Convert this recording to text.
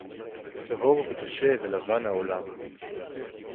טָהוֹר וְקָשֶׁה וְלָבָן הָעוֹלָם.